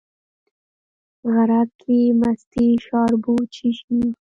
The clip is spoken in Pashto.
غرک کې مستې شاربو، چې شي